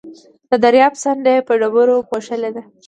د درياب څنډه يې په ډبرو پوښلې ده.